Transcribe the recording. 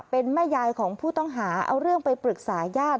เป็นแม่ยายของผู้ต้องหาเอาเรื่องไปปรึกษาญาติ